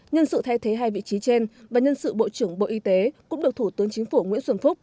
nhân sự thay thế hai vị trí trên và nhân sự bộ trưởng bộ y tế cũng được thủ tướng chính phủ nguyễn xuân phúc